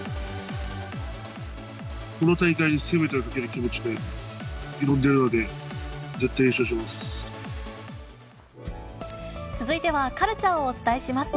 この大会にすべてをかける気持ちで挑んでるので、絶対優勝し続いてはカルチャーをお伝えします。